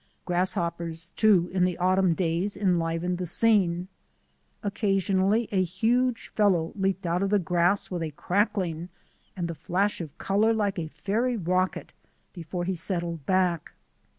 Grasshoppers, too, in the autumn days enlivened the scene. Occasionally a huge fellow leaped out of the grass with a crackling and the flash of colour like a fairy rocket before he settled back.